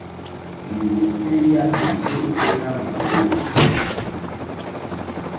Lìwòtéyá nù nôténá mòrzô.